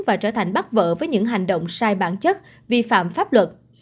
và trở thành bắt vợ với những hành động sai bản chất vi phạm pháp luật